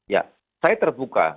ya saya terbuka